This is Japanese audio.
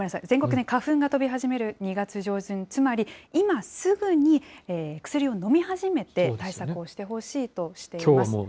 全国的に花粉が飛び始める２月上旬、つまり、今すぐに薬を飲み始めて対策をしてほしいとしています。